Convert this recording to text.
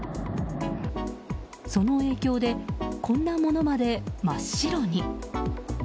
その影響でこんなものまで真っ白に。